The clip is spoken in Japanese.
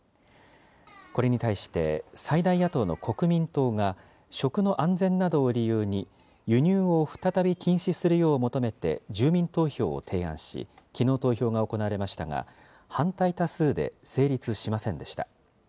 これに対して、最大野党の国民党が食の安全などを理由に、輸入を再び禁止するよう求めて住民投票を提案し、きのう投票が行われましたが、反対多数で成立しませんでした。